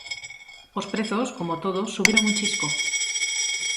Os prezos, como todo, subiron un chisco.